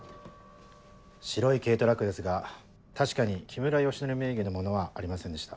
白い軽トラックですが確かに木村良徳名義のものはありませんでした。